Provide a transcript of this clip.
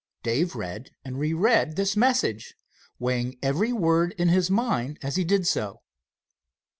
Dave read and reread this message, weighing every word in his mind as he did so.